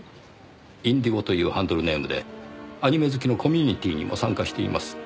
ＩＮＤＩＧＯというハンドルネームでアニメ好きのコミュニティーにも参加しています。